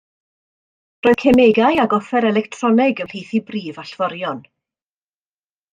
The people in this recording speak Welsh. Roedd cemegau ac offer electroneg ym mhlith ei brif allforion.